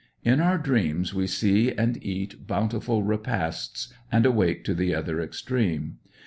In our dreams we see and eat bountiful repasts, and awake to the other extreme.